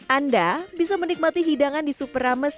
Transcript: anda bisa menikmati hidangan di super rames